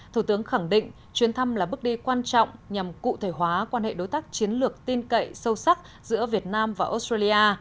thủ tướng khẳng định chuyến thăm là bước đi quan trọng nhằm cụ thể hóa quan hệ đối tác chiến lược tin cậy sâu sắc giữa việt nam và australia